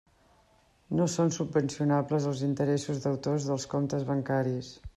No són subvencionables els interessos deutors dels comptes bancaris.